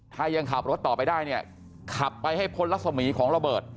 ถ้ายังขับรถต่อไปได้เนี่ยขับไปให้พ้นรัศมีของระเบิด